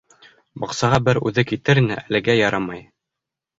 Баҡсаға бер үҙе китер ине, әлегә ярамай.